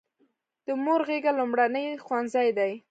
د مور غیږه لومړنی ښوونځی دی.